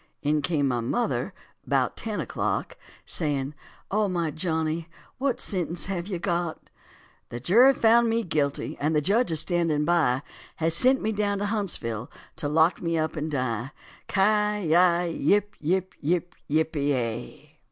In came my mother about ten o'clock, Saying, "O my loving Johnny, what sentence have you got?" "The jury found me guilty and the judge a standin' by Has sent me down to Huntsville to lock me up and die." Ci yi yip yip yip pe ya.